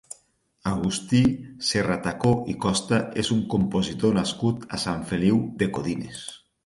Agustí Serratacó i Costa és un compositor nascut a Sant Feliu de Codines.